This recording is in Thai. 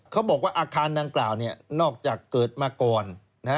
เขาบอกว่าอาคารดังกล่าวนอกจากเกิดมาก่อน